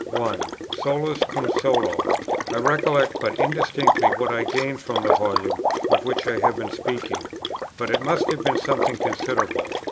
1. Solus cum solo: I recollect but indistinctly what I gained from the Volume of which I have been speaking; but it must have been something considerable.